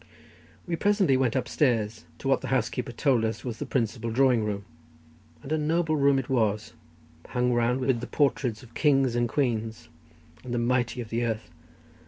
We presently went upstairs to what the housekeeper told us was the principal drawing room, and a noble room it was, hung round with the portraits of kings and queens and the mighty of the earth.